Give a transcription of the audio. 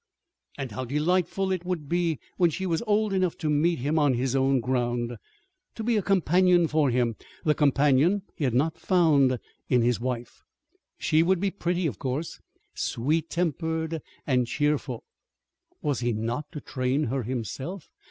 And how delightful it would be when she was old enough to meet him on his own ground to be a companion for him, the companion he had not found in his wife! She would be pretty, of course, sweet tempered, and cheerful. (Was he not to train her himself?)